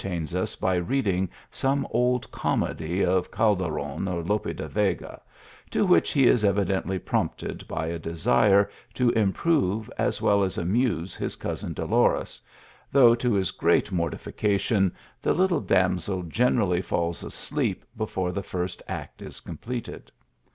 tains us by reading some old comedy of Calderon 01 Lope de Vega, to which he is evidently prompted by * desire to improve, as well as amuse his cousin Dolores, though to his great mortification the little damsel generally falls asleep before the first act is completed.